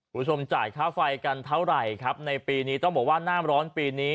ผู้ชมจ่ายค่าไฟกันเท่าไรในปีนี้ต้องบอกว่าน่ามร้อนปีนี้